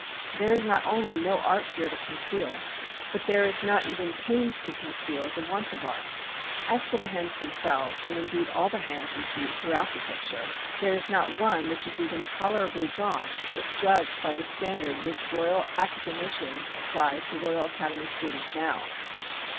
There is not only no art here to conceal, but there is not even pains to conceal the want of art. As for the hands themselves, and indeed all the hands and feet throughout the picture, there is not one which is even tolerably drawn if judged by the standard which Royal Academicians apply to Royal Academy students now.